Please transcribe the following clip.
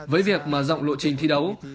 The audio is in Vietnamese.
với việc mở rộng lộ trình thi đấu